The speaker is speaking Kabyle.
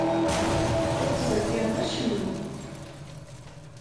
Ur ttḍeggireɣ acemma.